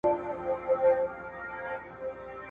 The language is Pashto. چي یې وکتل پر کټ باندي څوک نه وو ..